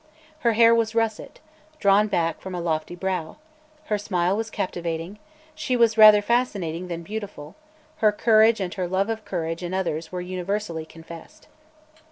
Her hair was russet, drawn back from a lofty brow; her smile was captivating; she was rather fascinating than beautiful; her courage and her love of courage in others were universally confessed.